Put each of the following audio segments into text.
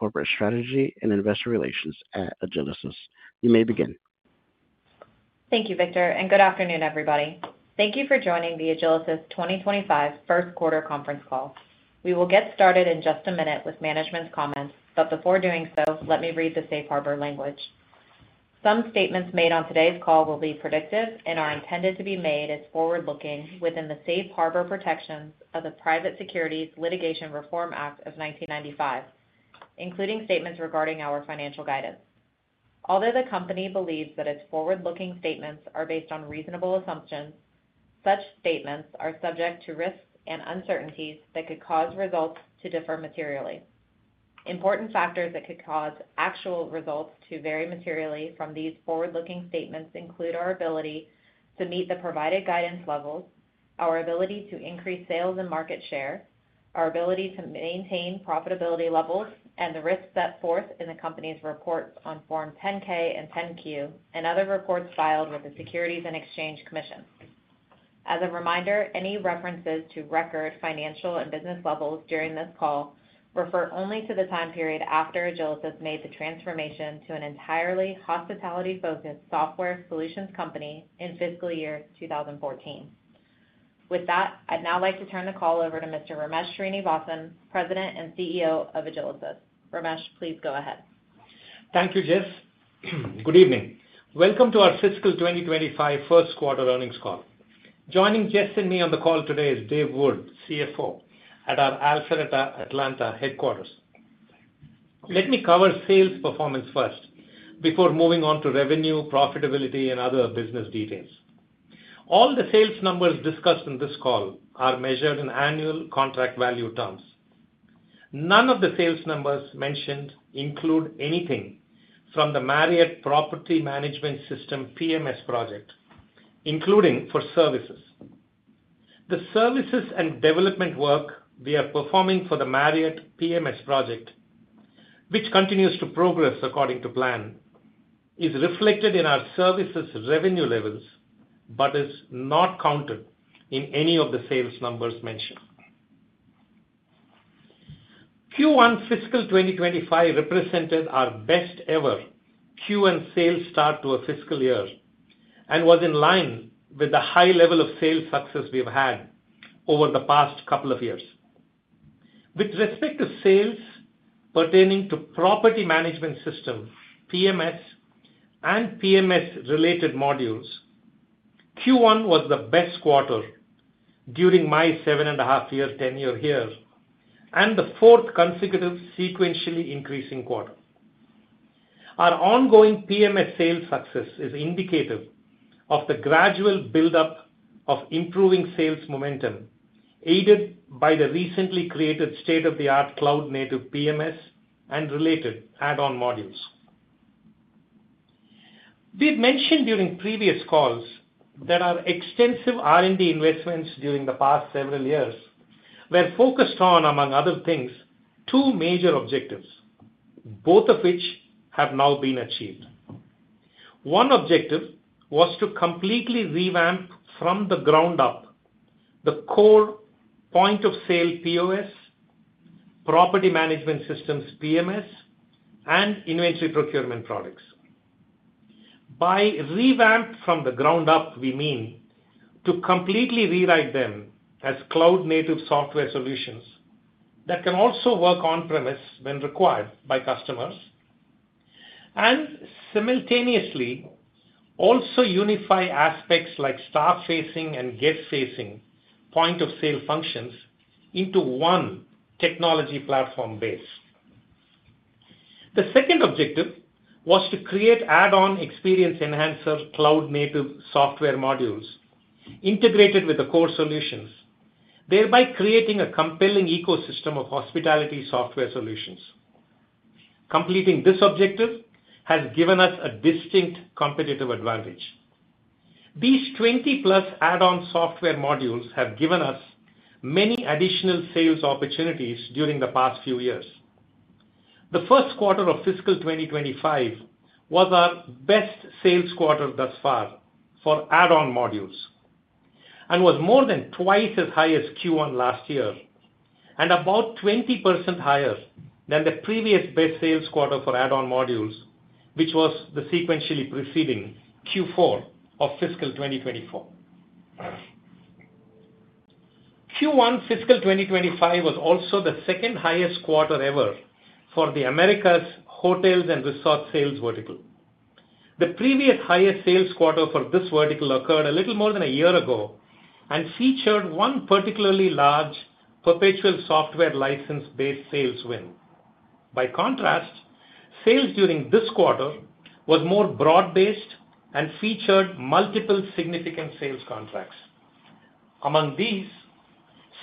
Corporate Strategy and Investor Relations at Agilysys. You may begin. Thank you, Victor, and good afternoon, everybody. Thank you for joining the Agilysys 2025 first quarter conference call. We will get started in just a minute with management's comments, but before doing so, let me read the Safe Harbor language. Some statements made on today's call will be predictive and are intended to be made as forward-looking within the Safe Harbor protections of the Private Securities Litigation Reform Act of 1995, including statements regarding our financial guidance. Although the company believes that its forward-looking statements are based on reasonable assumptions, such statements are subject to risks and uncertainties that could cause results to differ materially. Important factors that could cause actual results to vary materially from these forward-looking statements include our ability to meet the provided guidance levels, our ability to increase sales and market share, our ability to maintain profitability levels, and the risks set forth in the company's reports on Form 10-K and 10-Q, and other reports filed with the Securities and Exchange Commission. As a reminder, any references to record financial and business levels during this call refer only to the time period after Agilysys made the transformation to an entirely hospitality-focused software solutions company in fiscal year 2014. With that, I'd now like to turn the call over to Mr. Ramesh Srinivasan, President and CEO of Agilysys. Ramesh, please go ahead. Thank you, Jess. Good evening. Welcome to our fiscal 2025 first quarter earnings call. Joining Jess and me on the call today is Dave Wood, CFO, at our Alpharetta, Atlanta headquarters. Let me cover sales performance first before moving on to revenue, profitability, and other business details. All the sales numbers discussed in this call are measured in annual contract value terms. None of the sales numbers mentioned include anything from the Marriott Property Management System, PMS project, including for services. The services and development work we are performing for the Marriott PMS project, which continues to progress according to plan, is reflected in our services revenue levels, but is not counted in any of the sales numbers mentioned. Q1 fiscal 2025 represented our best ever Q1 sales start to a fiscal year and was in line with the high level of sales success we've had over the past couple of years. With respect to sales pertaining to property management systems, PMS, and PMS-related modules, Q1 was the best quarter during my seven and a half-year tenure here, and the fourth consecutive sequentially increasing quarter. Our ongoing PMS sales success is indicative of the gradual buildup of improving sales momentum, aided by the recently created state-of-the-art cloud-native PMS and related add-on modules. We've mentioned during previous calls that our extensive R&D investments during the past several years were focused on, among other things, two major objectives, both of which have now been achieved. One objective was to completely revamp from the ground up the core Point of Sale, POS, Property Management Systems, PMS, and inventory procurement products. By revamp from the ground up, we mean to completely rewrite them as cloud-native software solutions that can also work on-premise when required by customers, and simultaneously, also unify aspects like staff-facing and guest-facing point of sale functions into one technology platform base. The second objective was to create add-on experience enhancers, cloud-native software modules, integrated with the core solutions, thereby creating a compelling ecosystem of hospitality software solutions. Completing this objective has given us a distinct competitive advantage. These 20+ add-on software modules have given us many additional sales opportunities during the past few years. The first quarter of fiscal 2025 was our best sales quarter thus far for add-on modules, and was more than twice as high as Q1 last year, and about 20% higher than the previous best sales quarter for add-on modules, which was the sequentially preceding Q4 of fiscal 2024. Q1 fiscal 2025 was also the second-highest quarter ever for the Americas Hotels and Resorts sales vertical. The previous highest sales quarter for this vertical occurred a little more than a year ago and featured one particularly large perpetual software license-based sales win. By contrast, sales during this quarter was more broad-based and featured multiple significant sales contracts. Among these,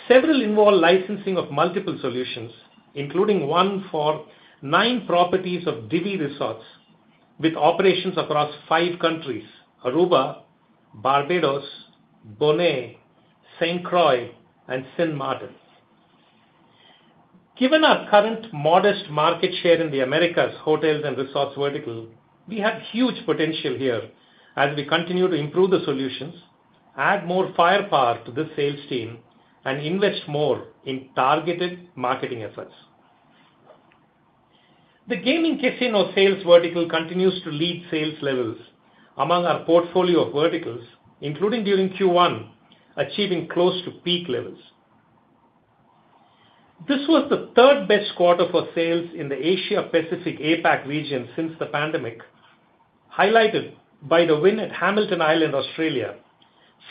several involve licensing of multiple solutions, including one for nine properties of Divi Resorts, with operations across five countries, Aruba, Barbados, Bonaire, Saint Croix, and St. Maarten. Given our current modest market share in the Americas hotels and resorts vertical, we have huge potential here as we continue to improve the solutions and add more firepower to this sales team and invest more in targeted marketing efforts. The gaming casino sales vertical continues to lead sales levels among our portfolio of verticals, including during Q1, achieving close to peak levels. This was the third-best quarter for sales in the Asia-Pacific APAC region since the pandemic, highlighted by the win at Hamilton Island, Australia,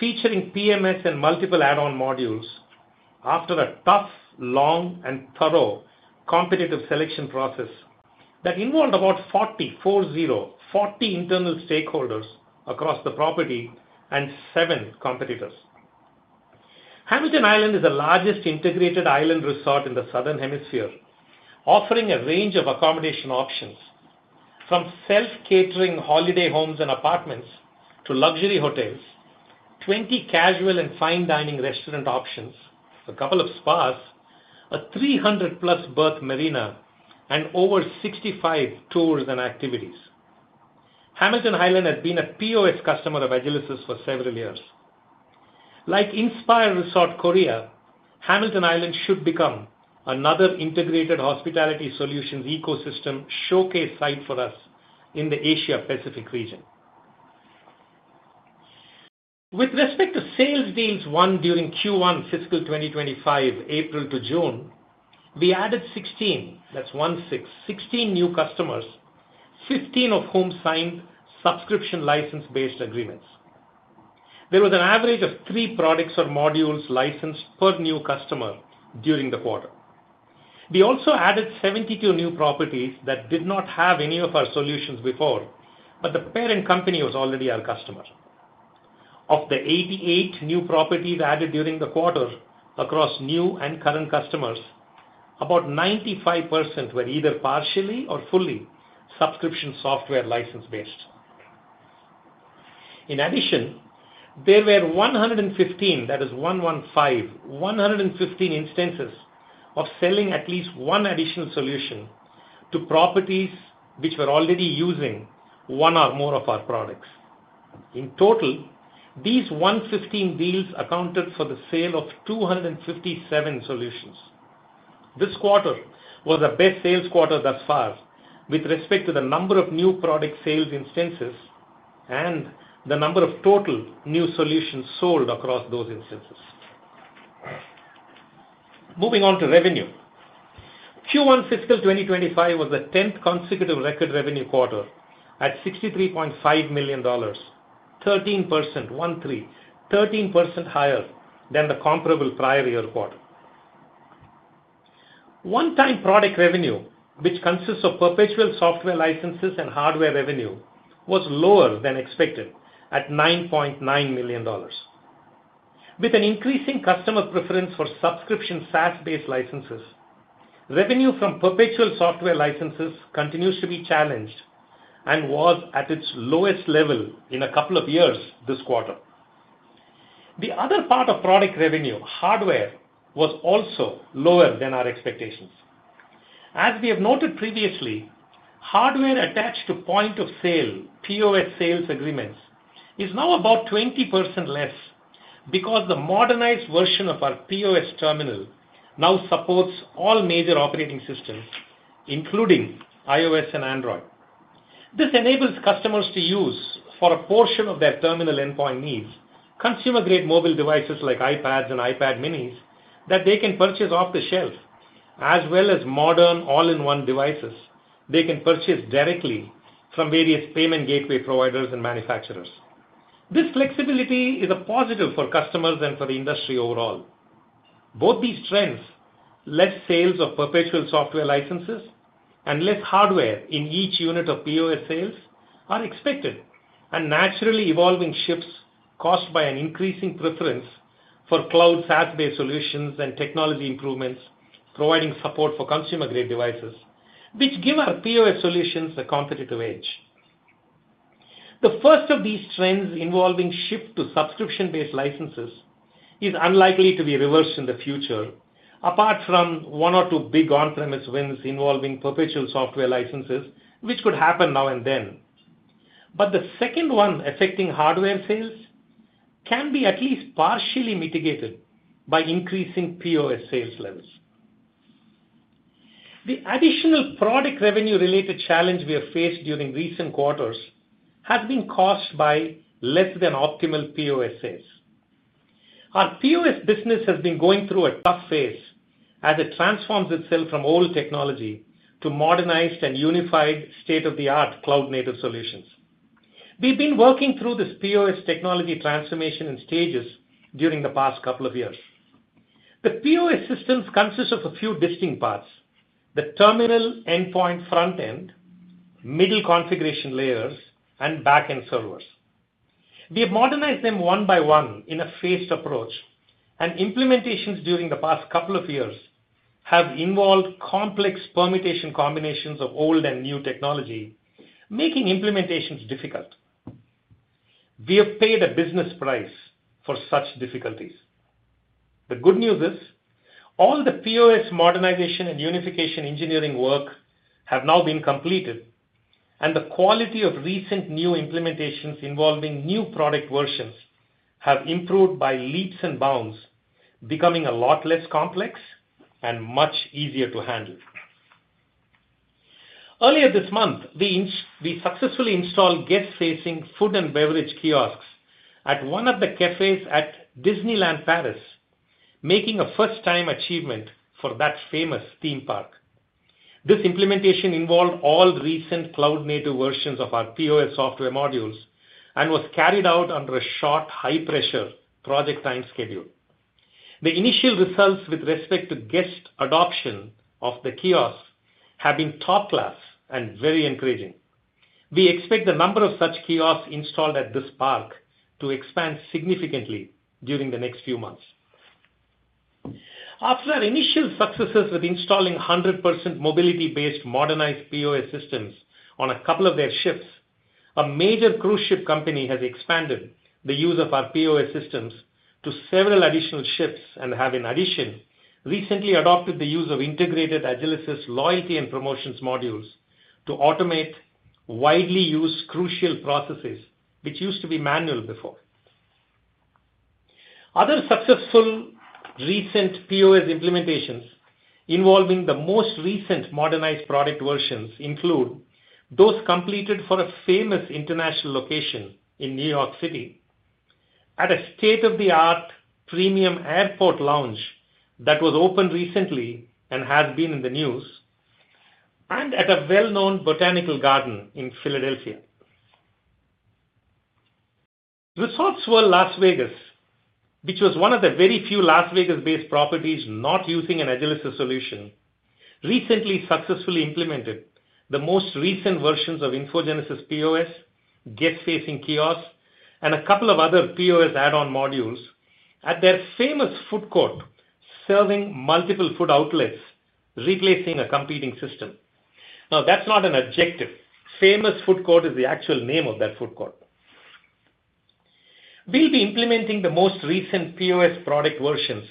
featuring PMS and multiple add-on modules after a tough, long, and thorough competitive selection process that involved about 40 internal stakeholders across the property and seven competitors. Hamilton Island is the largest integrated island resort in the Southern Hemisphere, offering a range of accommodation options, from self-catering holiday homes and apartments to luxury hotels, 20 casual and fine dining restaurant options, a couple of spas, a 300+ berth marina, and over 65 tours and activities. Hamilton Island has been a POS customer of Agilysys for several years. Like INSPIRE Resort Korea, Hamilton Island should become another integrated hospitality solutions ecosystem showcase site for us in the Asia-Pacific region. With respect to sales deals won during Q1 fiscal 2025, April to June, we added 16, that's one-six, 16 new customers, 15 of whom signed subscription license-based agreements. There was an average of three products or modules licensed per new customer during the quarter. We also added 72 new properties that did not have any of our solutions before, but the parent company was already our customer. Of the 88 new properties added during the quarter across new and current customers, about 95% were either partially or fully subscription software license-based. In addition, there were 115, that is one-one-five, 115 instances of selling at least one additional solution to properties which were already using one or more of our products. In total, these 115 deals accounted for the sale of 257 solutions. This quarter was our best sales quarter thus far with respect to the number of new product sales instances and the number of total new solutions sold across those instances. Moving on to revenue. Q1 fiscal 2025 was the 10th consecutive record revenue quarter at $63.5 million, 13%, 13, 13% higher than the comparable prior year quarter. One-time product revenue, which consists of perpetual software licenses and hardware revenue, was lower than expected at $9.9 million. With an increasing customer preference for subscription SaaS-based licenses, revenue from perpetual software licenses continues to be challenged and was at its lowest level in a couple of years this quarter. The other part of product revenue, hardware, was also lower than our expectations. As we have noted previously, hardware attached to Point of Sale, POS sales agreements, is now about 20% less because the modernized version of our POS terminal now supports all major operating systems, including iOS and Android. This enables customers to use, for a portion of their terminal endpoint needs, consumer-grade mobile devices like iPads and iPad minis that they can purchase off the shelf, as well as modern all-in-one devices they can purchase directly from various payment gateway providers and manufacturers. This flexibility is a positive for customers and for the industry overall. Both these trends, less sales of perpetual software licenses and less hardware in each unit of POS sales, are expected and naturally evolving shifts caused by an increasing preference for cloud SaaS-based solutions and technology improvements, providing support for consumer-grade devices, which give our POS solutions a competitive edge. The first of these trends involving shift to subscription-based licenses is unlikely to be reversed in the future, apart from one or two big on-premise wins involving perpetual software licenses, which could happen now and then. But the second one, affecting hardware sales, can be at least partially mitigated by increasing POS sales levels. The additional product revenue-related challenge we have faced during recent quarters has been caused by less than optimal POS sales. Our POS business has been going through a tough phase as it transforms itself from old technology to modernized and unified state-of-the-art cloud-native solutions. We've been working through this POS technology transformation in stages during the past couple of years. The POS systems consist of a few distinct parts: the terminal, endpoint, front end, middle configuration layers, and back-end servers. We have modernized them one by one in a phased approach, and implementations during the past couple of years have involved complex permutation combinations of old and new technology, making implementations difficult. We have paid a business price for such difficulties. The good news is, all the POS modernization and unification engineering work have now been completed, and the quality of recent new implementations involving new product versions have improved by leaps and bounds, becoming a lot less complex and much easier to handle. Earlier this month, we successfully installed guest-facing food and beverage kiosks at one of the cafes at Disneyland Paris, making a first-time achievement for that famous theme park. This implementation involved all recent cloud-native versions of our POS software modules, and was carried out under a short, high-pressure project time schedule. The initial results with respect to guest adoption of the kiosks have been top-class and very encouraging. We expect the number of such kiosks installed at this park to expand significantly during the next few months. After our initial successes with installing 100% mobility-based modernized POS systems on a couple of their ships, a major cruise ship company has expanded the use of our POS systems to several additional ships, and have, in addition, recently adopted the use of integrated Agilysys loyalty and promotions modules to automate widely used crucial processes, which used to be manual before. Other successful recent POS implementations involving the most recent modernized product versions include those completed for a famous international location in New York City, at a state-of-the-art premium airport lounge that was opened recently and has been in the news, and at a well-known botanical garden in Philadelphia. Resorts World Las Vegas, which was one of the very few Las Vegas-based properties not using an Agilysys solution, recently successfully implemented the most recent versions of InfoGenesis POS, guest-facing kiosks, and a couple of other POS add-on modules at their famous food court, serving multiple food outlets, replacing a competing system. Now, that's not an adjective. Famous Food Court is the actual name of that food court. We'll be implementing the most recent POS product versions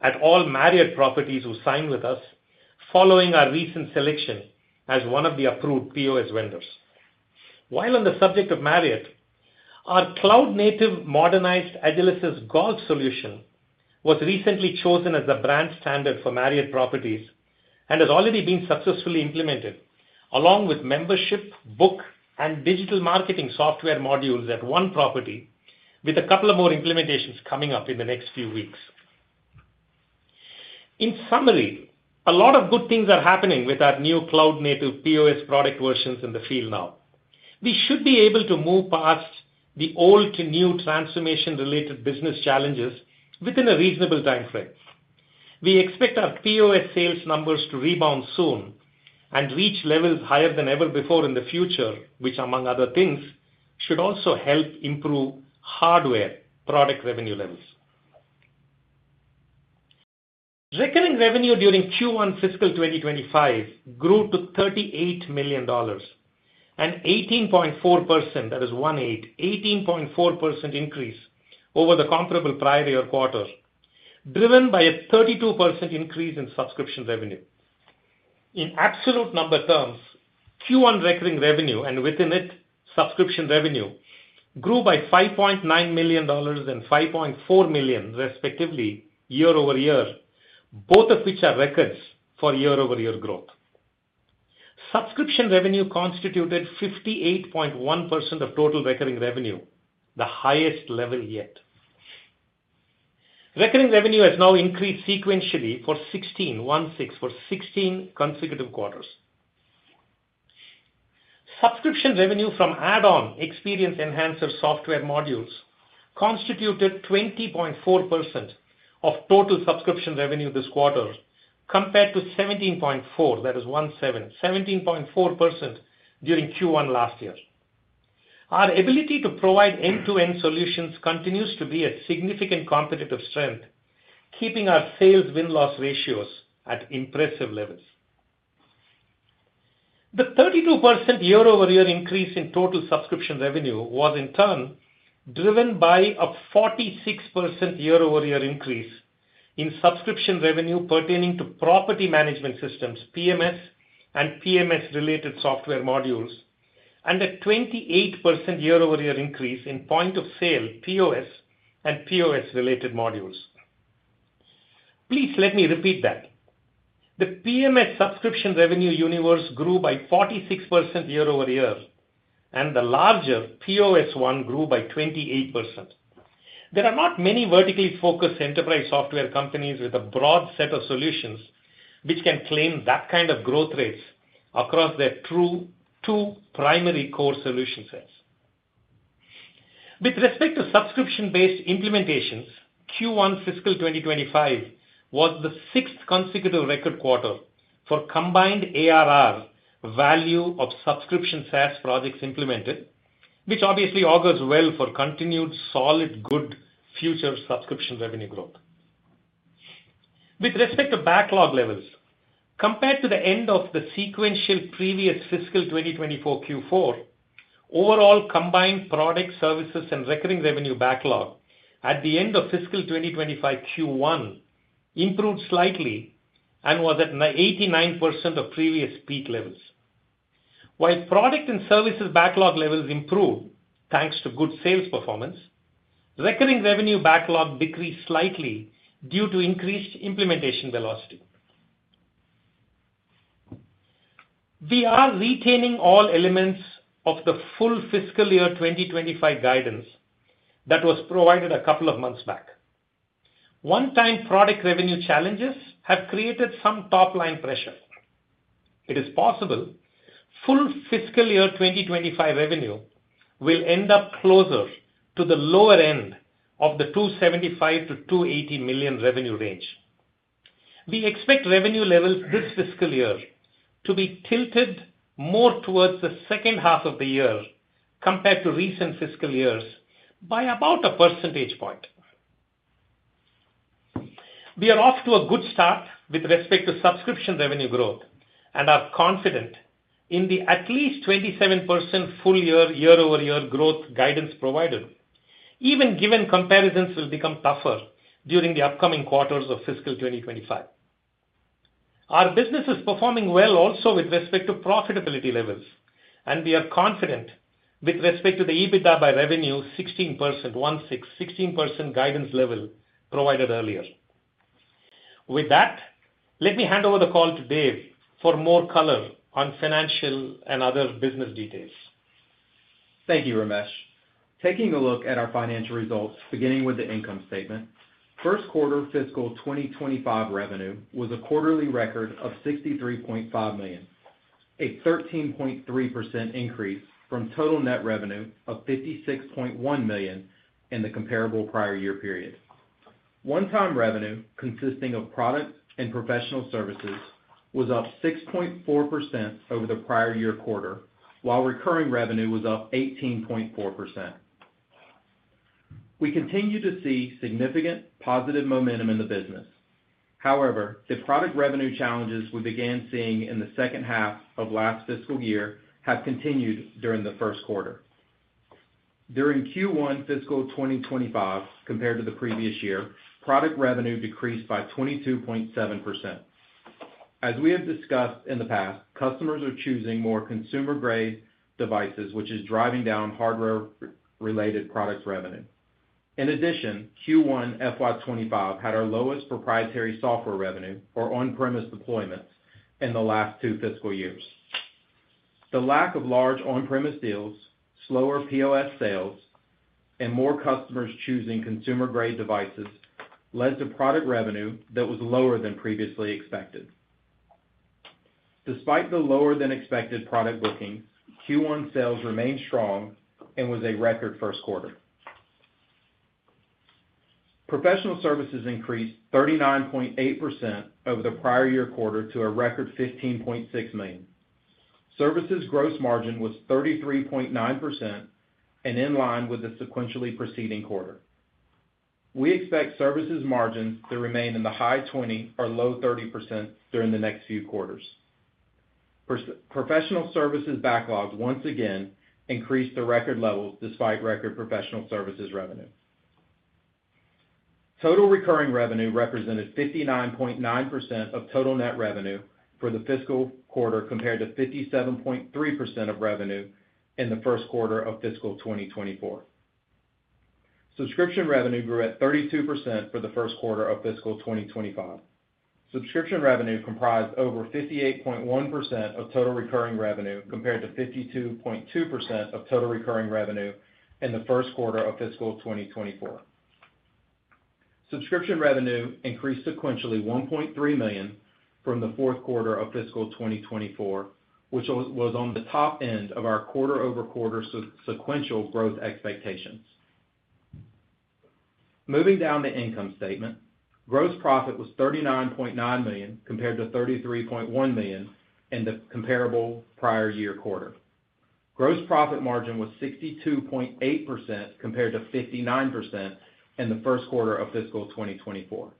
at all Marriott properties who sign with us, following our recent selection as one of the approved POS vendors. While on the subject of Marriott, our cloud-native modernized Agilysys Golf solution was recently chosen as a brand standard for Marriott properties, and has already been successfully implemented, along with Membership, Book, and Digital Marketing software modules at one property, with a couple of more implementations coming up in the next few weeks. In summary, a lot of good things are happening with our new cloud-native POS product versions in the field now. We should be able to move past the old-to-new transformation-related business challenges within a reasonable time frame. We expect our POS sales numbers to rebound soon and reach levels higher than ever before in the future, which, among other things, should also help improve hardware product revenue levels. Recurring revenue during Q1 fiscal 2025 grew to $38 million, an 18.4%, that is one-eight, 18.4% increase over the comparable prior year quarter, driven by a 32% increase in subscription revenue. In absolute number terms, Q1 recurring revenue, and within it, subscription revenue, grew by $5.9 million and $5.4 million, respectively, year-over-year, both of which are records for year-over-year growth. Subscription revenue constituted 58.1% of total recurring revenue, the highest level yet. Recurring revenue has now increased sequentially for sixteen consecutive quarters. Subscription revenue from add-on experience enhancer software modules constituted 20.4% of total subscription revenue this quarter, compared to 17.4% during Q1 last year. Our ability to provide end-to-end solutions continues to be a significant competitive strength, keeping our sales win-loss ratios at impressive levels. The 32% year-over-year increase in total subscription revenue was, in turn, driven by a 46% year-over-year increase in subscription revenue pertaining to property management systems, PMS, and PMS-related software modules, and a 28% year-over-year increase in Point of Sale, POS, and POS-related modules. Please let me repeat that. The PMS subscription revenue universe grew by 46% year-over-year, and the larger POS one grew by 28%. There are not many vertically focused enterprise software companies with a broad set of solutions which can claim that kind of growth rates across their true two primary core solution sets. With respect to subscription-based implementations, Q1 fiscal 2025 was the sixth consecutive record quarter for combined ARR value of subscription SaaS projects implemented, which obviously augurs well for continued, solid, good future subscription revenue growth. With respect to backlog levels, compared to the end of the sequential previous fiscal 2024 Q4, overall combined product services and recurring revenue backlog at the end of fiscal 2025 Q1 improved slightly and was at 98% of previous peak levels. While product and services backlog levels improved, thanks to good sales performance, recurring revenue backlog decreased slightly due to increased implementation velocity. We are retaining all elements of the full fiscal year 2025 guidance that was provided a couple of months back. One-time product revenue challenges have created some top-line pressure. It is possible full fiscal year 2025 revenue will end up closer to the lower end of the $275 million-$280 million revenue range. We expect revenue levels this fiscal year to be tilted more towards the second half of the year compared to recent fiscal years by about a percentage point. We are off to a good start with respect to subscription revenue growth and are confident in the at least 27% full year, year-over-year growth guidance provided, even given comparisons will become tougher during the upcoming quarters of fiscal 2025. Our business is performing well also with respect to profitability levels, and we are confident with respect to the EBITDA by revenue 16%, one-six, 16% guidance level provided earlier. With that, let me hand over the call to Dave for more color on financial and other business details. Thank you, Ramesh. Taking a look at our financial results, beginning with the income statement. First quarter fiscal 2025 revenue was a quarterly record of $63.5 million, a 13.3% increase from total net revenue of $56.1 million in the comparable prior year period. One-time revenue, consisting of product and professional services, was up 6.4% over the prior year quarter, while recurring revenue was up 18.4%. We continue to see significant positive momentum in the business. However, the product revenue challenges we began seeing in the second half of last fiscal year have continued during the first quarter. During Q1 fiscal 2025, compared to the previous year, product revenue decreased by 22.7%. As we have discussed in the past, customers are choosing more consumer-grade devices, which is driving down hardware-related products revenue. In addition, Q1 FY 2025 had our lowest proprietary software revenue or on-premise deployments in the last two fiscal years. The lack of large on-premise deals, slower POS sales, and more customers choosing consumer-grade devices led to product revenue that was lower than previously expected. Despite the lower-than-expected product bookings, Q1 sales remained strong and was a record first quarter. Professional services increased 39.8% over the prior-year quarter to a record $15.6 million. Services gross margin was 33.9% and in line with the sequentially preceding quarter. We expect services margins to remain in the high 20% or low 30% during the next few quarters. Professional services backlogs once again increased to record levels despite record professional services revenue. Total recurring revenue represented 59.9% of total net revenue for the fiscal quarter, compared to 57.3% of revenue in the first quarter of fiscal 2024. Subscription revenue grew at 32% for the first quarter of fiscal 2025. Subscription revenue comprised over 58.1% of total recurring revenue, compared to 52.2% of total recurring revenue in the first quarter of fiscal 2024. Subscription revenue increased sequentially $1.3 million from the fourth quarter of fiscal 2024, which was on the top end of our quarter-over-quarter sequential growth expectations. Moving down the income statement, gross profit was $39.9 million, compared to $33.1 million in the comparable prior year quarter. Gross profit margin was 62.8%, compared to 59% in the first quarter of fiscal 2024.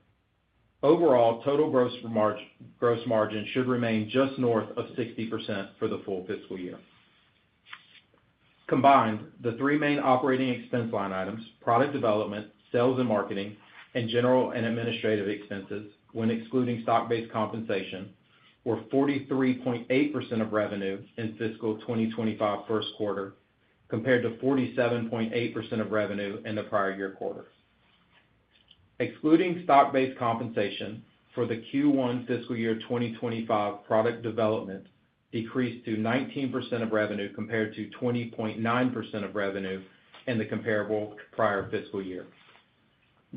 Overall, total gross margin should remain just north of 60% for the full fiscal year. Combined, the three main operating expense line items, product development, sales and marketing, and general and administrative expenses when excluding stock-based compensation, were 43.8% of revenue in fiscal 2025 first quarter, compared to 47.8% of revenue in the prior year quarter. Excluding stock-based compensation for the Q1 fiscal year 2025, product development decreased to 19% of revenue, compared to 20.9% of revenue in the comparable prior fiscal year.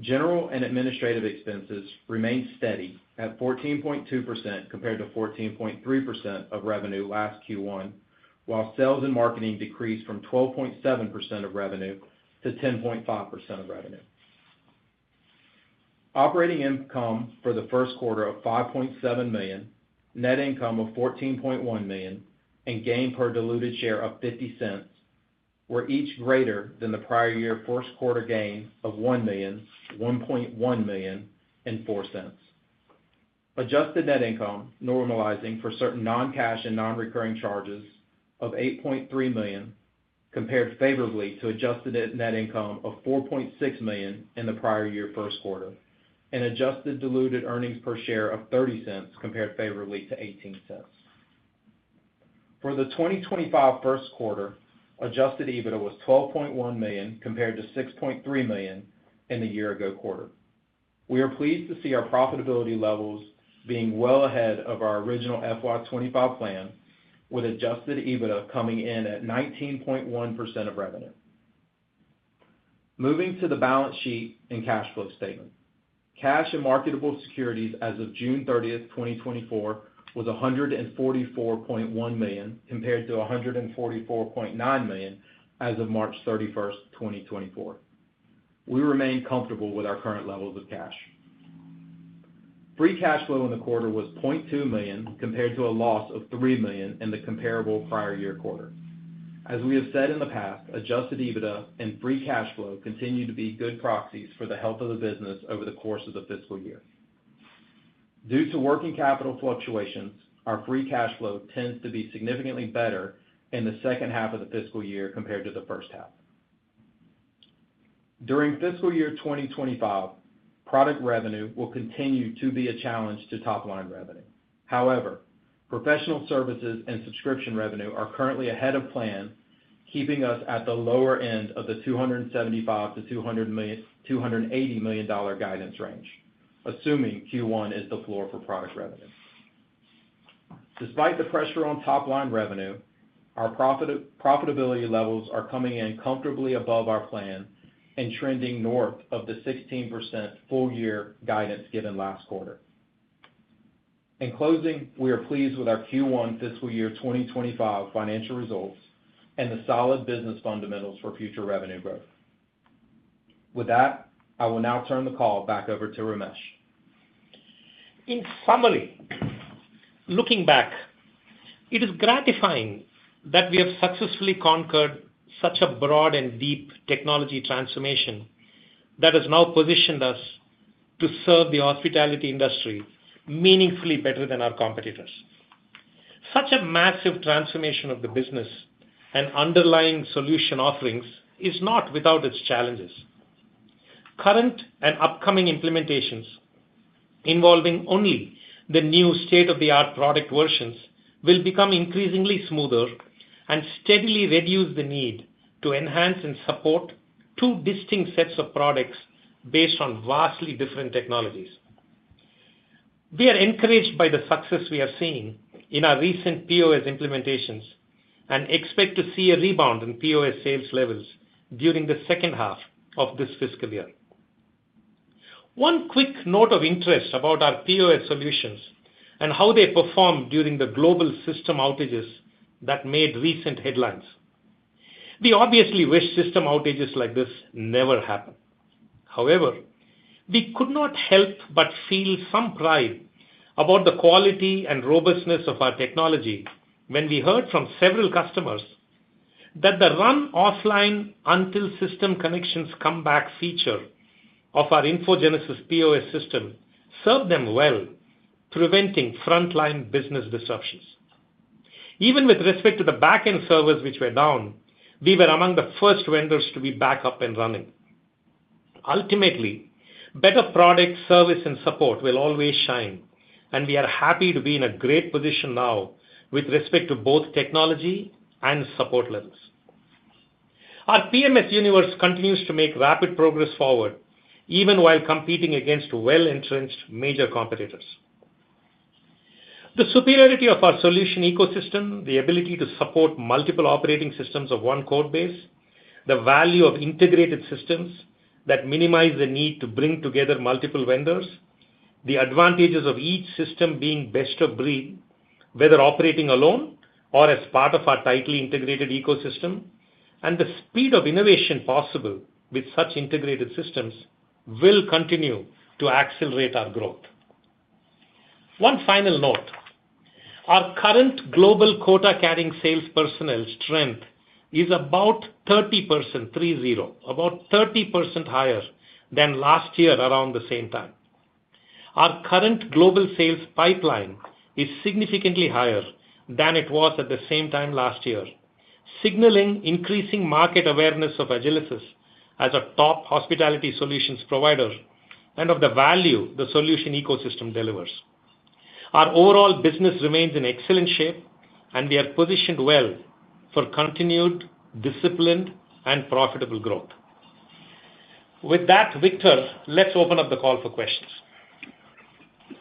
General and administrative expenses remained steady at 14.2%, compared to 14.3% of revenue last Q1, while sales and marketing decreased from 12.7% of revenue to 10.5% of revenue. Operating income for the first quarter of $5.7 million, net income of $14.1 million, and earnings per diluted share of $0.50 were each greater than the prior year first quarter gain of $1 million, $1.1 million, and $0.04. Adjusted net income, normalizing for certain non-cash and non-recurring charges of $8.3 million, compared favorably to adjusted net income of $4.6 million in the prior year first quarter, and adjusted diluted earnings per share of $0.30 compared favorably to $0.18. For the 2025 first quarter, adjusted EBITDA was $12.1 million, compared to $6.3 million in the year ago quarter. We are pleased to see our profitability levels being well ahead of our original FY 2025 plan, with adjusted EBITDA coming in at 19.1% of revenue. Moving to the balance sheet and cash flow statement. Cash and marketable securities as of June 30th, 2024, was $144.1 million, compared to $144.9 million as of March 31st, 2024. We remain comfortable with our current levels of cash. Free cash flow in the quarter was $0.2 million, compared to a loss of $3 million in the comparable prior year quarter. As we have said in the past, adjusted EBITDA and free cash flow continue to be good proxies for the health of the business over the course of the fiscal year. Due to working capital fluctuations, our free cash flow tends to be significantly better in the second half of the fiscal year compared to the first half. During fiscal year 2025, product revenue will continue to be a challenge to top line revenue. However, professional services and subscription revenue are currently ahead of plan, keeping us at the lower end of the $275 million-$280 million guidance range, assuming Q1 is the floor for product revenue. Despite the pressure on top line revenue, our profitability levels are coming in comfortably above our plan and trending north of the 16% full year guidance given last quarter. In closing, we are pleased with our Q1 fiscal year 2025 financial results and the solid business fundamentals for future revenue growth. With that, I will now turn the call back over to Ramesh. In summary, looking back, it is gratifying that we have successfully conquered such a broad and deep technology transformation that has now positioned us to serve the hospitality industry meaningfully better than our competitors. Such a massive transformation of the business and underlying solution offerings is not without its challenges. Current and upcoming implementations, involving only the new state-of-the-art product versions, will become increasingly smoother and steadily reduce the need to enhance and support two distinct sets of products based on vastly different technologies. We are encouraged by the success we are seeing in our recent POS implementations and expect to see a rebound in POS sales levels during the second half of this fiscal year. One quick note of interest about our POS solutions and how they performed during the global system outages that made recent headlines. We obviously wish system outages like this never happen. However, we could not help but feel some pride about the quality and robustness of our technology when we heard from several customers that the run offline until system connections come back feature of our InfoGenesis POS system served them well, preventing frontline business disruptions. Even with respect to the back-end servers, which were down, we were among the first vendors to be back up and running. Ultimately, better product, service, and support will always shine, and we are happy to be in a great position now with respect to both technology and support levels. Our PMS universe continues to make rapid progress forward, even while competing against well-entrenched major competitors. The superiority of our solution ecosystem, the ability to support multiple operating systems of one code base, the value of integrated systems that minimize the need to bring together multiple vendors, the advantages of each system being best of breed, whether operating alone or as part of our tightly integrated ecosystem, and the speed of innovation possible with such integrated systems, will continue to accelerate our growth. One final note: our current global quota-carrying sales personnel strength is about 30%, three-zero, about 30% higher than last year around the same time. Our current global sales pipeline is significantly higher than it was at the same time last year, signaling increasing market awareness of Agilysys as a top hospitality solutions provider and of the value the solution ecosystem delivers. Our overall business remains in excellent shape, and we are positioned well for continued, disciplined, and profitable growth. With that, Victor, let's open up the call for questions.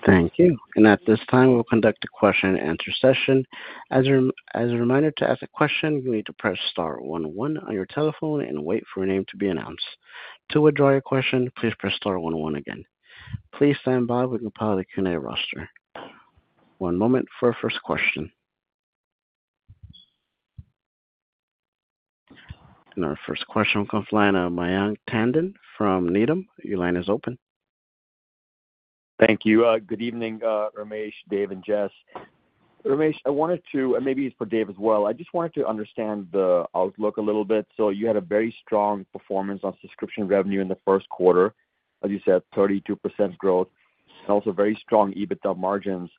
Thank you. And at this time, we'll conduct a question and answer session. As a reminder, to ask a question, you need to press star one one on your telephone and wait for your name to be announced. To withdraw your question, please press star one one again. Please stand by while we compile the Q&A roster. One moment for our first question. And our first question comes from the line of Mayank Tandon from Needham. Your line is open. Thank you. Good evening, Ramesh, Dave, and Jess. Ramesh, I wanted to, and maybe it's for Dave as well, I just wanted to understand the outlook a little bit. So you had a very strong performance on subscription revenue in the first quarter. As you said, 32% growth, and also very strong EBITDA margins.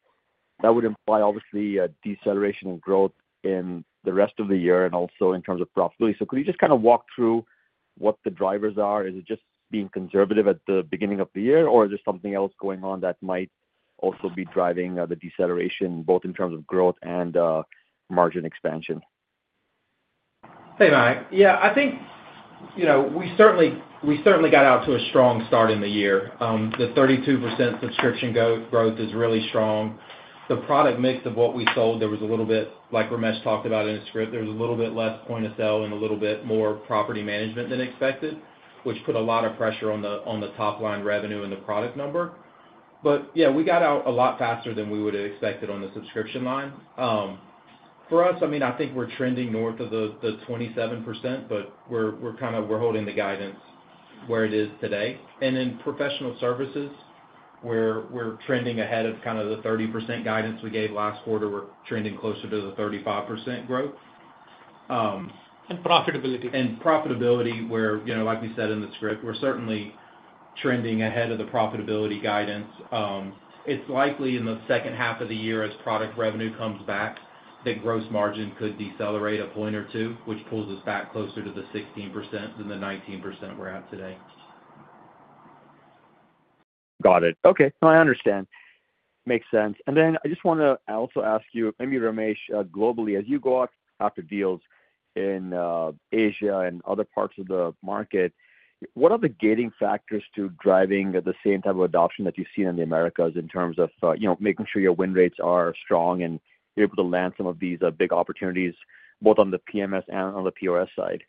That would imply, obviously, a deceleration in growth in the rest of the year and also in terms of profitability. So could you just kind of walk through what the drivers are? Is it just being conservative at the beginning of the year, or is there something else going on that might also be driving the deceleration, both in terms of growth and margin expansion? Hey, Mayank. Yeah, I think, you know, we certainly, we certainly got out to a strong start in the year. The 32% subscription growth is really strong. The product mix of what we sold, there was a little bit like Ramesh talked about in his script, there was a little bit less point-of-sale and a little bit more property management than expected, which put a lot of pressure on the, on the top line revenue and the product number. But yeah, we got out a lot faster than we would've expected on the subscription line. For us, I mean, I think we're trending north of the 27%, but we're kind of holding the guidance where it is today. And in professional services, we're trending ahead of kind of the 30% guidance we gave last quarter. We're trending closer to the 35% growth. And profitability? Profitability, where, you know, like we said in the script, we're certainly trending ahead of the profitability guidance. It's likely in the second half of the year, as product revenue comes back, that gross margin could decelerate a point or two, which pulls us back closer to the 16% than the 19% we're at today. Got it. Okay, no, I understand. Makes sense. And then I just wanna also ask you, maybe Ramesh, globally, as you go out after deals in, Asia and other parts of the market, what are the gating factors to driving the same type of adoption that you've seen in the Americas in terms of, you know, making sure your win rates are strong and you're able to land some of these, big opportunities, both on the PMS and on the POS side?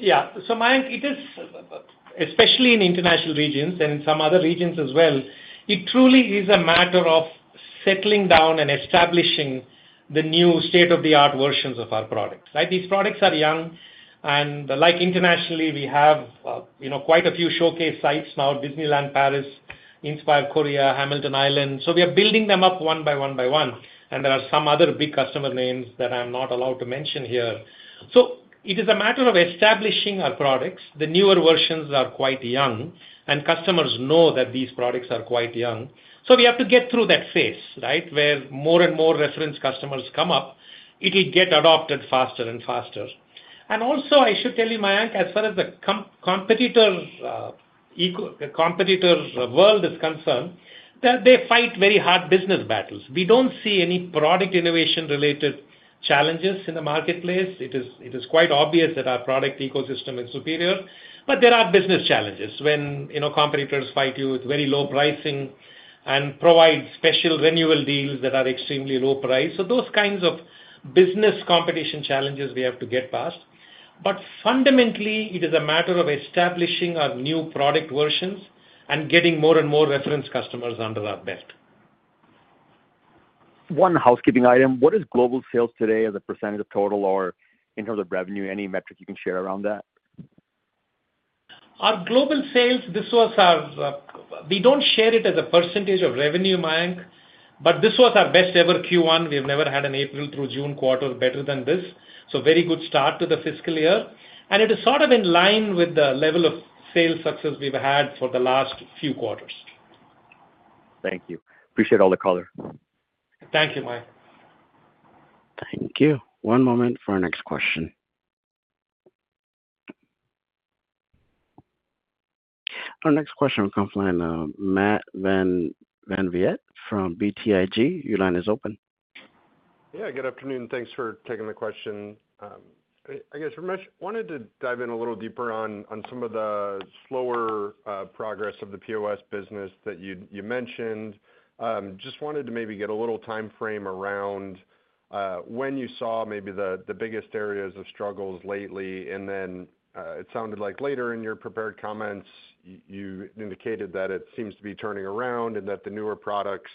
Yeah. So Mayank, it is, especially in international regions and some other regions as well, it truly is a matter of settling down and establishing the new state-of-the-art versions of our products, right? These products are young, and the like internationally, we have, you know, quite a few showcase sites now, Disneyland Paris, INSPIRE Korea, Hamilton Island. So we are building them up one by one by one, and there are some other big customer names that I'm not allowed to mention here. So it is a matter of establishing our products. The newer versions are quite young, and customers know that these products are quite young. So we have to get through that phase, right? Where more and more reference customers come up, it'll get adopted faster and faster. And also, I should tell you, Mayank, as far as the competitor ecosystem is concerned, that they fight very hard business battles. We don't see any product innovation-related challenges in the marketplace. It is quite obvious that our product ecosystem is superior. But there are business challenges when, you know, competitors fight you with very low pricing and provide special renewal deals that are extremely low price. So those kinds of business competition challenges we have to get past. But fundamentally, it is a matter of establishing our new product versions and getting more and more reference customers under our belt. One housekeeping item. What is global sales today as a percentage of total or in terms of revenue? Any metric you can share around that? Our global sales, this was our. We don't share it as a percentage of revenue, Mayank, but this was our best ever Q1. We've never had an April through June quarter better than this, so very good start to the fiscal year. And it is sort of in line with the level of sales success we've had for the last few quarters. Thank you. Appreciate all the color. Thank you, Mayank. Thank you. One moment for our next question. Our next question comes from Matt VanVliet from BTIG. Your line is open. Yeah, good afternoon. Thanks for taking the question. I guess, Ramesh, wanted to dive in a little deeper on some of the slower progress of the POS business that you mentioned. Just wanted to maybe get a little timeframe around when you saw maybe the biggest areas of struggles lately, and then it sounded like later in your prepared comments, you indicated that it seems to be turning around and that the newer products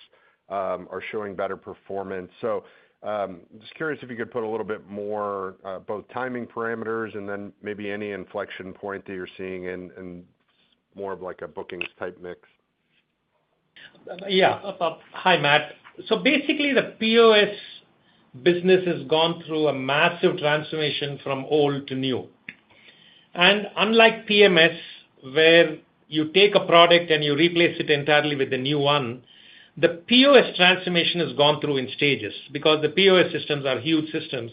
are showing better performance. So, just curious if you could put a little bit more both timing parameters and then maybe any inflection point that you're seeing in more of like a bookings type mix. Yeah. Hi, Matt. So basically, the POS business has gone through a massive transformation from old to new. Unlike PMS, where you take a product and you replace it entirely with a new one, the POS transformation has gone through in stages. Because the POS systems are huge systems,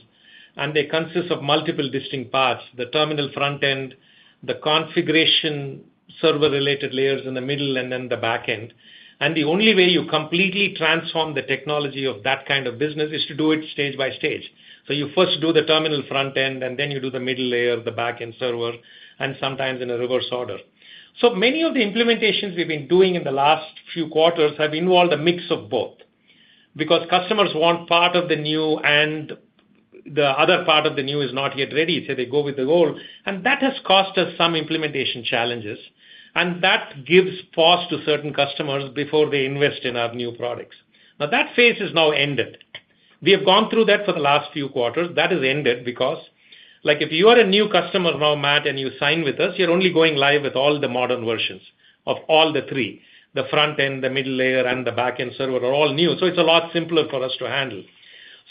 and they consist of multiple distinct parts: the terminal front end, the configuration server-related layers in the middle, and then the back end. The only way you completely transform the technology of that kind of business is to do it stage by stage. You first do the terminal front end, and then you do the middle layer, the back-end server, and sometimes in a reverse order. So many of the implementations we've been doing in the last few quarters have involved a mix of both, because customers want part of the new, and the other part of the new is not yet ready, so they go with the old. And that has caused us some implementation challenges, and that gives pause to certain customers before they invest in our new products. But that phase has now ended. We have gone through that for the last few quarters. That has ended because, like, if you are a new customer now, Matt, and you sign with us, you're only going live with all the modern versions of all the three, the front end, the middle layer, and the back-end server are all new, so it's a lot simpler for us to handle.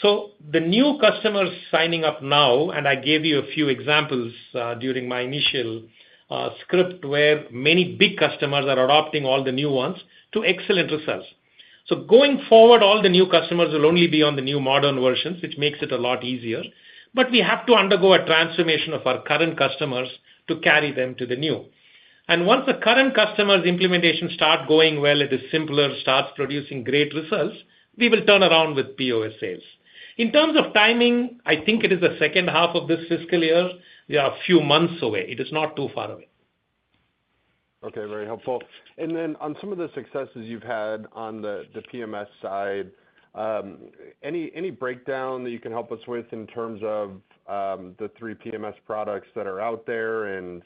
So the new customers signing up now, and I gave you a few examples during my initial script, where many big customers are adopting all the new ones to excellent results. Going forward, all the new customers will only be on the new modern versions, which makes it a lot easier. We have to undergo a transformation of our current customers to carry them to the new. Once the current customers' implementation start going well, it is simpler, starts producing great results, we will turn around with POS sales. In terms of timing, I think it is the second half of this fiscal year. We are a few months away. It is not too far away. Okay. Very helpful. And then on some of the successes you've had on the PMS side, any breakdown that you can help us with in terms of the three PMS products that are out there and,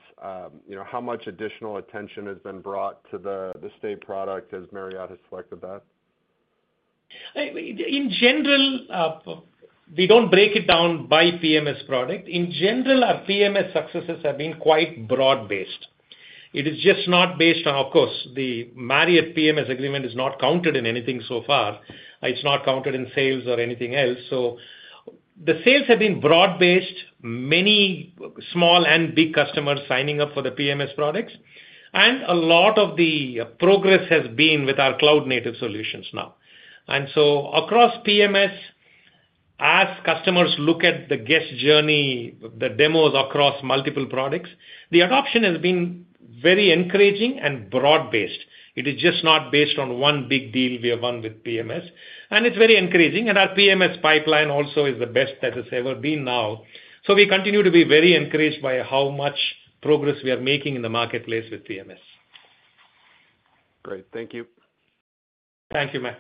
you know, how much additional attention has been brought to the Stay product as Marriott has selected that? In general, we don't break it down by PMS product. In general, our PMS successes have been quite broad-based. It is just not based on, of course, the Marriott PMS agreement is not counted in anything so far. It's not counted in sales or anything else. So the sales have been broad-based, many small and big customers signing up for the PMS products, and a lot of the progress has been with our cloud-native solutions now. And so across PMS, as customers look at the guest journey, the demos across multiple products, the adoption has been very encouraging and broad-based. It is just not based on one big deal we have won with PMS, and it's very encouraging. And our PMS pipeline also is the best that it's ever been now. We continue to be very encouraged by how much progress we are making in the marketplace with PMS. Great. Thank you. Thank you, Matt.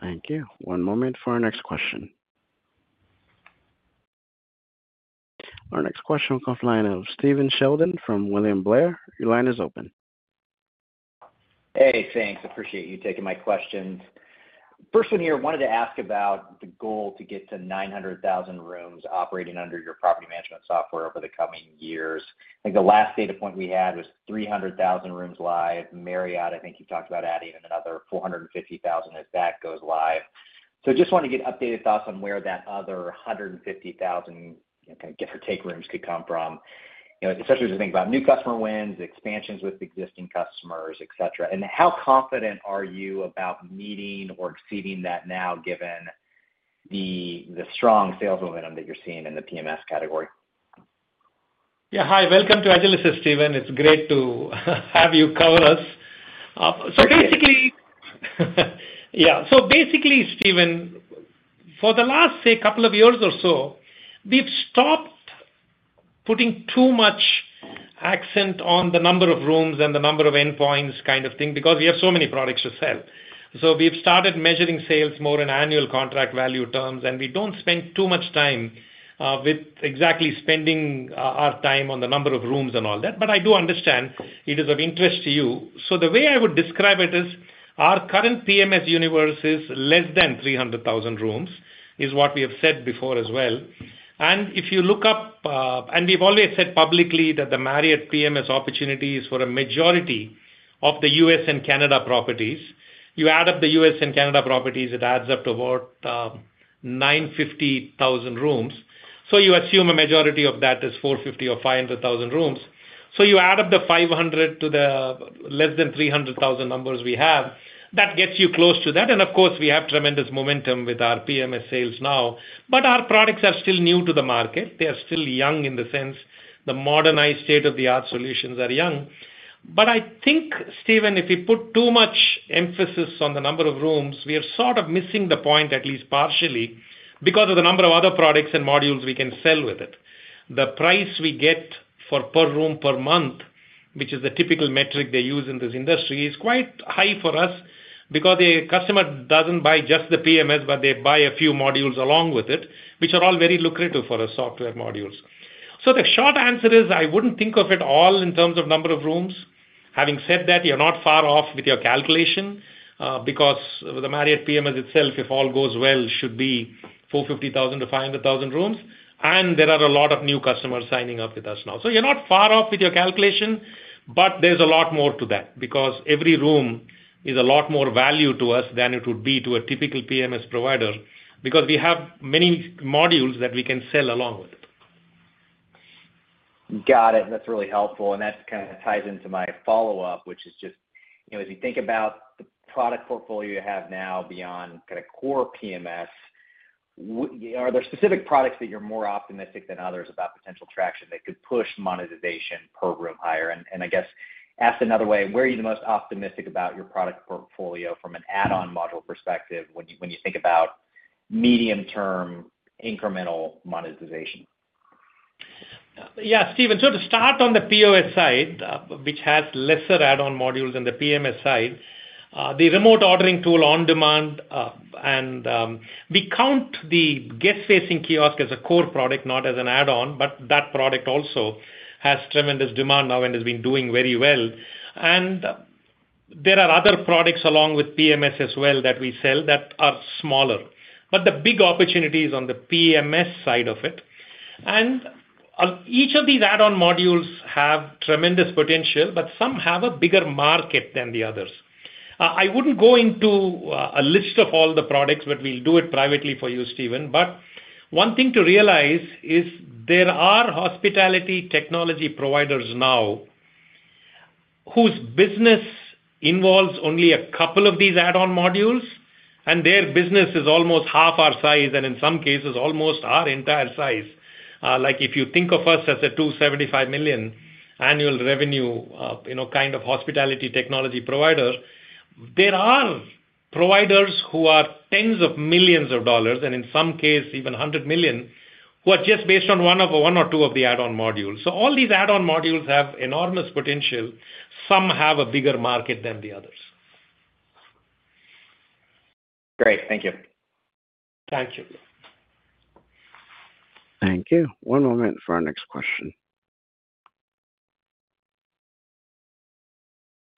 Thank you. One moment for our next question. Our next question will come from the line of Steven Sheldon from William Blair. Your line is open. Hey, thanks. I appreciate you taking my questions. First one here, wanted to ask about the goal to get to 900,000 rooms operating under your property management software over the coming years. I think the last data point we had was 300,000 rooms live. Marriott, I think you talked about adding another 450,000 as that goes live. So just want to get updated thoughts on where that other 150,000, you know, give or take rooms could come from. You know, especially as we think about new customer wins, expansions with existing customers, et cetera. And how confident are you about meeting or exceeding that now, given the strong sales momentum that you're seeing in the PMS category? Yeah. Hi. Welcome to Agilysys, Stephen. It's great to have you cover us. So basically, Stephen, for the last, say, couple of years or so, we've stopped putting too much accent on the number of rooms and the number of endpoints kind of thing, because we have so many products to sell. So we've started measuring sales more in annual contract value terms, and we don't spend too much time with exactly spending our time on the number of rooms and all that. But I do understand it is of interest to you. So the way I would describe it is, our current PMS universe is less than 300,000 rooms, is what we have said before as well. If you look up, and we've always said publicly that the Marriott PMS opportunity is for a majority of the U.S. and Canada properties. You add up the U.S. and Canada properties, it adds up to about 950,000 rooms. You assume a majority of that is 450,000 or 500,000 rooms. You add up the 500,000 to the less than 300,000 numbers we have, that gets you close to that. Of course, we have tremendous momentum with our PMS sales now. But our products are still new to the market. They are still young in the sense the modernized state-of-the-art solutions are young. But I think, Stephen, if we put too much emphasis on the number of rooms, we are sort of missing the point, at least partially, because of the number of other products and modules we can sell with it. The price we get for per room per month, which is the typical metric they use in this industry, is quite high for us because the customer doesn't buy just the PMS, but they buy a few modules along with it, which are all very lucrative for our software modules. So the short answer is, I wouldn't think of it all in terms of number of rooms. Having said that, you're not far off with your calculation, because the Marriott PMS itself, if all goes well, should be 450,000-500,000 rooms, and there are a lot of new customers signing up with us now. So you're not far off with your calculation, but there's a lot more to that, because every room is a lot more value to us than it would be to a typical PMS provider, because we have many modules that we can sell along with it. Got it. That's really helpful, and that kind of ties into my follow-up, which is just, you know, as you think about the product portfolio you have now beyond kind of core PMS, are there specific products that you're more optimistic than others about potential traction that could push monetization per room higher? And, and I guess, asked another way, where are you the most optimistic about your product portfolio from an add-on module perspective when you, when you think about medium-term incremental monetization? Yeah, Stephen. So to start on the POS side, which has lesser add-on modules than the PMS side, the remote ordering tool OnDemand, and we count the guest-facing kiosk as a core product, not as an add-on, but that product also has tremendous demand now and has been doing very well. There are other products along with PMS as well that we sell that are smaller, but the big opportunity is on the PMS side of it. Each of these add-on modules have tremendous potential, but some have a bigger market than the others. I wouldn't go into a list of all the products, but we'll do it privately for you, Stephen. But one thing to realize is there are hospitality technology providers now, whose business involves only a couple of these add-on modules, and their business is almost half our size, and in some cases, almost our entire size. Like, if you think of us as a $275 million annual revenue, you know, kind of hospitality technology provider, there are providers who are tens of millions of dollars, and in some cases even $100 million, who are just based on one or two of the add-on modules. So all these add-on modules have enormous potential. Some have a bigger market than the others. Great. Thank you. Thank you. Thank you. One moment for our next question.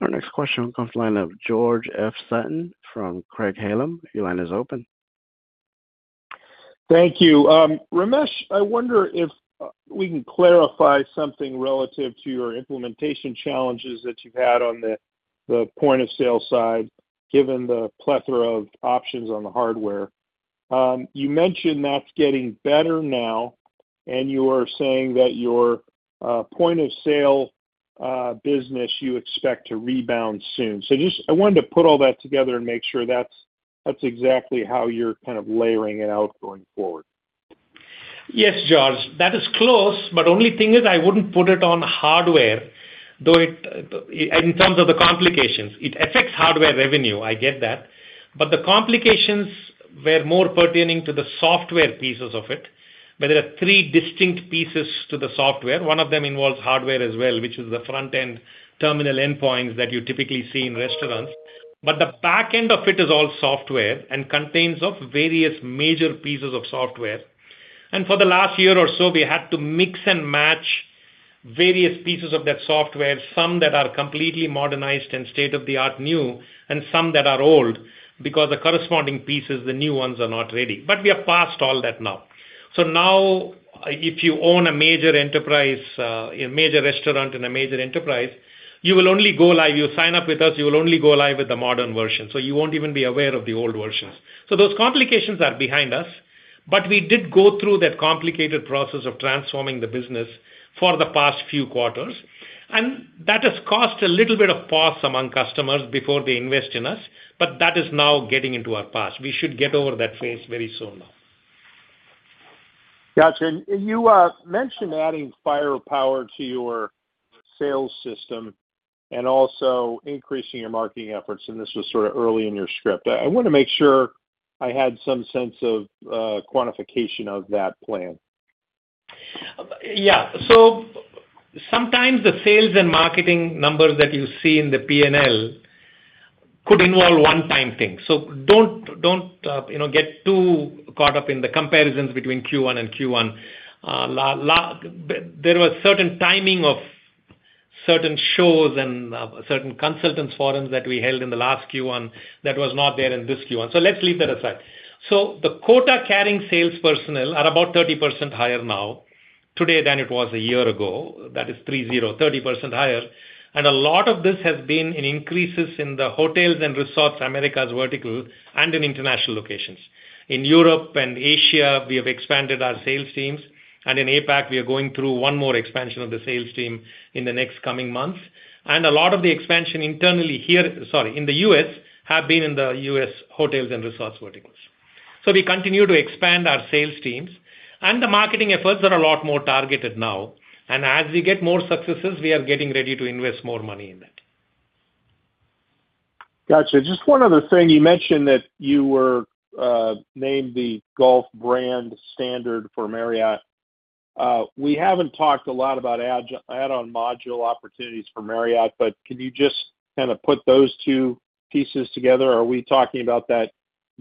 Our next question comes from the line of George F. Sutton from Craig-Hallum. Your line is open. Thank you. Ramesh, I wonder if we can clarify something relative to your implementation challenges that you've had on the Point-of-Sale side, given the plethora of options on the hardware. You mentioned that's getting better now, and you are saying that your point-of-sale business, you expect to rebound soon. So just, I wanted to put all that together and make sure that's, that's exactly how you're kind of layering it out going forward. Yes, George, that is close, but only thing is I wouldn't put it on hardware, though it, in terms of the complications. It affects hardware revenue, I get that, but the complications were more pertaining to the software pieces of it, where there are three distinct pieces to the software. One of them involves hardware as well, which is the front-end terminal endpoints that you typically see in restaurants. But the back end of it is all software and contains of various major pieces of software. And for the last year or so, we had to mix and match various pieces of that software, some that are completely modernized and state-of-the-art new, and some that are old, because the corresponding pieces, the new ones, are not ready. But we are past all that now. So now, if you own a major enterprise, a major restaurant and a major enterprise, you will only go live. You sign up with us, you will only go live with the modern version, so you won't even be aware of the old versions. So those complications are behind us, but we did go through that complicated process of transforming the business for the past few quarters, and that has caused a little bit of pause among customers before they invest in us, but that is now getting into our past. We should get over that phase very soon now. Gotcha. And you, mentioned adding firepower to your sales system and also increasing your marketing efforts, and this was sort of early in your script. I wanted to make sure I had some sense of, quantification of that plan. Yeah. So sometimes the sales and marketing numbers that you see in the P&L could involve one-time things. So don't, don't, you know, get too caught up in the comparisons between Q1 and Q1. There, there were certain timing of certain shows and, certain consultants forums that we held in the last Q1 that was not there in this Q1. So let's leave that aside. So the quota-carrying sales personnel are about 30% higher now, today than it was a year ago. That is three-zero, 30% higher. And a lot of this has been in increases in the hotels and resorts, Americas vertical and in international locations. In Europe and Asia, we have expanded our sales teams, and in APAC, we are going through one more expansion of the sales team in the next coming months. A lot of the expansion internally here—sorry, in the U.S., have been in the U.S. hotels and resorts verticals. So we continue to expand our sales teams, and the marketing efforts are a lot more targeted now. And as we get more successes, we are getting ready to invest more money in it. Gotcha. Just one other thing. You mentioned that you were named the golf brand standard for Marriott. We haven't talked a lot about add-on module opportunities for Marriott, but can you just kind of put those two pieces together? Are we talking about that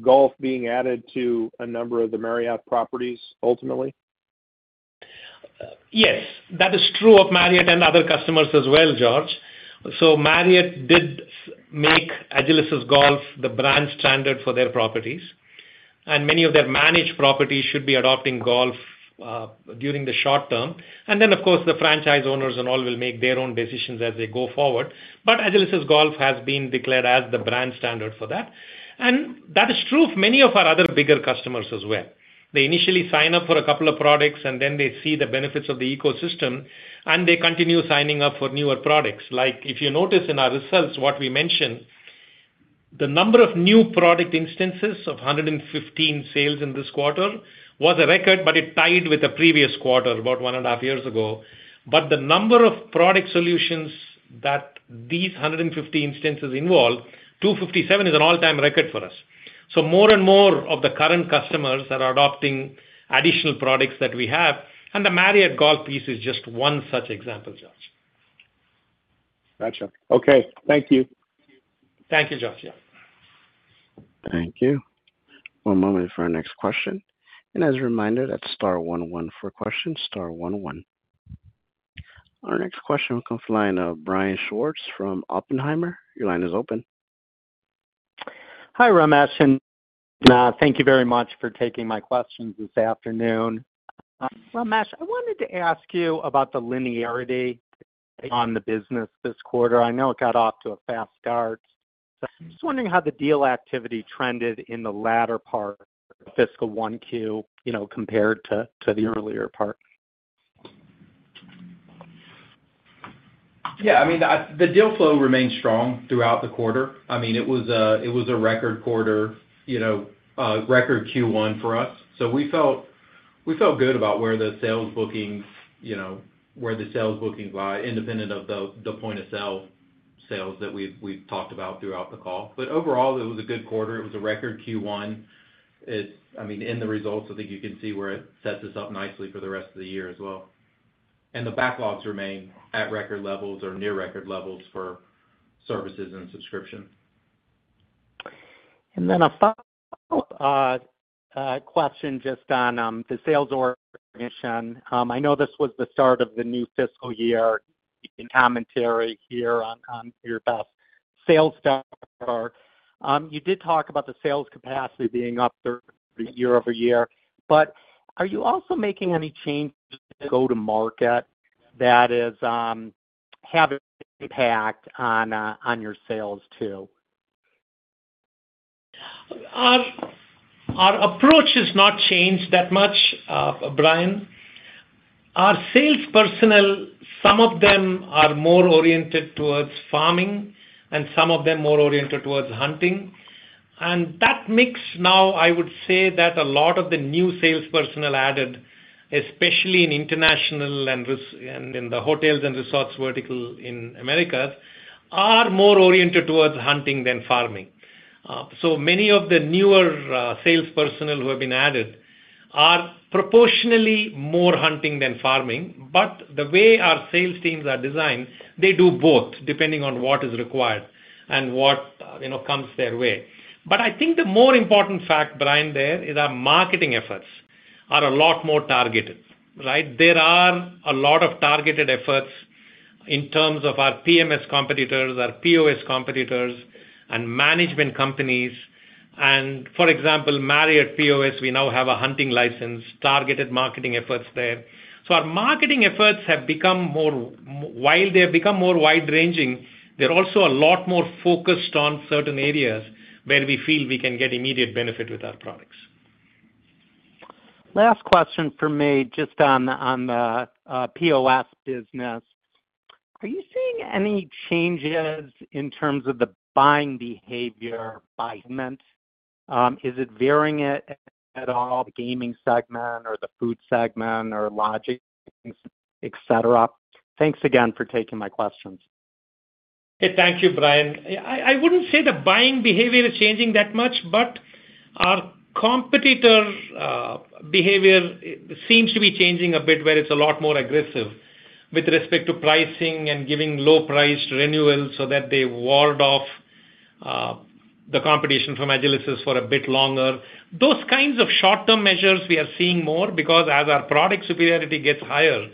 golf being added to a number of the Marriott properties, ultimately? Yes, that is true of Marriott and other customers as well, George. So Marriott did make Agilysys Golf the brand standard for their properties, and many of their managed properties should be adopting Golf during the short term. And then, of course, the franchise owners and all will make their own decisions as they go forward. But Agilysys Golf has been declared as the brand standard for that, and that is true of many of our other bigger customers as well. They initially sign up for a couple of products, and then they see the benefits of the ecosystem, and they continue signing up for newer products. Like, if you notice in our results, what we mentioned, the number of new product instances of 115 sales in this quarter was a record, but it tied with the previous quarter, about one and a half years ago. But the number of product solutions that these 150 instances involve, 257, is an all-time record for us. So more and more of the current customers are adopting additional products that we have, and the Marriott golf piece is just one such example, George. Gotcha. Okay, thank you. Thank you, George, yeah. Thank you. One moment for our next question, and as a reminder, that's star one one for questions, star one one. Our next question comes from the line of Brian Schwartz from Oppenheimer. Your line is open. Hi, Ramesh, and, thank you very much for taking my questions this afternoon. Ramesh, I wanted to ask you about the linearity on the business this quarter. I know it got off to a fast start. So I'm just wondering how the deal activity trended in the latter part of fiscal 1Q, you know, compared to, to the earlier part. Yeah, I mean, the deal flow remained strong throughout the quarter. I mean, it was a, it was a record quarter, you know, record Q1 for us. So we felt, we felt good about where the sales bookings, you know, where the sales bookings lie, independent of the, the point of sale sales that we've, we've talked about throughout the call. But overall, it was a good quarter. It was a record Q1. It's... I mean, in the results, I think you can see where it sets us up nicely for the rest of the year as well. And the backlogs remain at record levels or near record levels for services and subscription. And then a follow-up question just on the sales organization. I know this was the start of the new fiscal year. You can commentary here on your best sales staff. You did talk about the sales capacity being up there year-over-year, but are you also making any changes to go-to-market that is having impact on your sales, too? Our approach has not changed that much, Brian. Our sales personnel, some of them are more oriented towards farming, and some of them more oriented towards hunting. And that mix now, I would say that a lot of the new sales personnel added, especially in international and resorts and in the hotels and resorts vertical in Americas, are more oriented towards hunting than farming. So many of the newer sales personnel who have been added are proportionally more hunting than farming, but the way our sales teams are designed, they do both, depending on what is required and what, you know, comes their way. But I think the more important fact, Brian, there, is our marketing efforts are a lot more targeted, right? There are a lot of targeted efforts in terms of our PMS competitors, our POS competitors, and management companies. For example, Marriott POS, we now have a hunting license, targeted marketing efforts there. Our marketing efforts have become more... while they have become more wide-ranging, they're also a lot more focused on certain areas where we feel we can get immediate benefit with our products. Last question for me, just on the POS business. Are you seeing any changes in terms of the buying behavior by segment? Is it varying at all, the gaming segment or the food segment or lodging, et cetera? Thanks again for taking my questions. Hey, thank you, Brian. I, I wouldn't say the buying behavior is changing that much, but our competitor behavior seems to be changing a bit, where it's a lot more aggressive with respect to pricing and giving low-priced renewals so that they ward off the competition from Agilysys for a bit longer. Those kinds of short-term measures, we are seeing more because as our product superiority gets higher,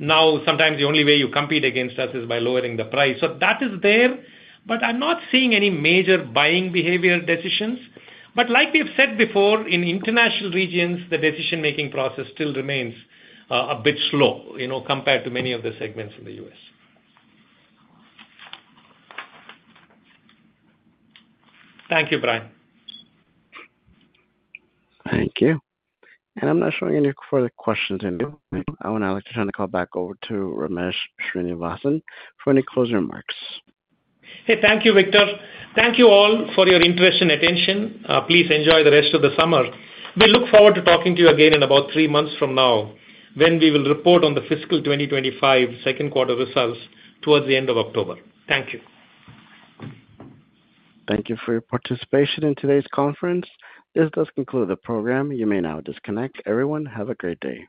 now, sometimes the only way you compete against us is by lowering the price. So that is there, but I'm not seeing any major buying behavior decisions. But like we've said before, in international regions, the decision-making process still remains a bit slow, you know, compared to many of the segments in the U.S. Thank you, Brian. Thank you. I'm not showing any further questions in queue. I would now like to turn the call back over to Ramesh Srinivasan for any closing remarks. Hey, thank you, Victor. Thank you all for your interest and attention. Please enjoy the rest of the summer. We look forward to talking to you again in about three months from now, when we will report on the fiscal 2025 second quarter results towards the end of October. Thank you. Thank you for your participation in today's conference. This does conclude the program. You may now disconnect. Everyone, have a great day!